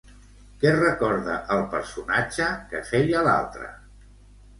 Què recorda el personatge que feia l'altra?